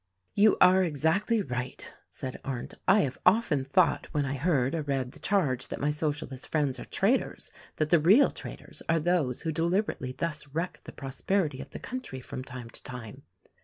"You are exactly right," said Arndt. "I have often thought when I heard or read the charge that my Socialist friends are traitors, that the real traitors are those who deliberately thus wreck the prosperity of the country from time to time.